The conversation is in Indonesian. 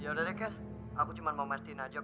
ya udah deh ken aku cuma mau mertiin aja kok